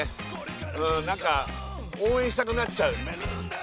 何か応援したくなっちゃう。